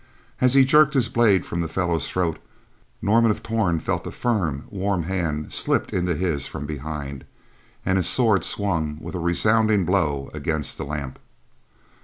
As he jerked his blade from the fellow's throat, Norman of Torn felt a firm, warm hand slipped into his from behind, and his sword swung with a resounding blow against the lamp.